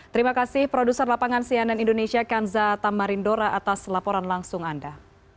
terima kasih produser lapangan cnn indonesia kanza tamarindora atas laporan langsung anda